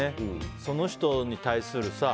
その人に対するさ。